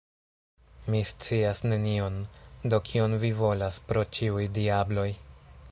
Mi scias nenion; do kion vi volas, pro ĉiuj diabloj?